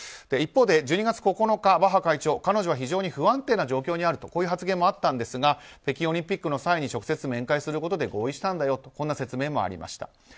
一方で１２月９日バッハ会長、彼女は非常に不安定な状況にあるという発言もあったんですが北京オリンピックの際に直接面会することで合意したんだとこんな説明もありました。